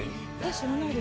知らないです。